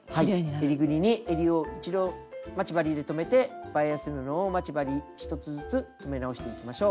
はいえりぐりにえりを一度待ち針で留めてバイアス布を待ち針１つずつ留め直していきましょう。